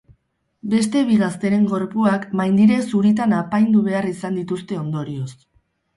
Beste bi gazteren gorpuak maindire zuritan apaindu behar izan dituzte ondorioz.